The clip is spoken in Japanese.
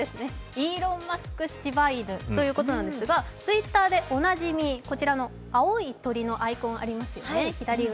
イーロンマスク柴犬ということですが、Ｔｗｉｔｔｅｒでおなじみ、こちらの青い鳥のアイコンありますよね。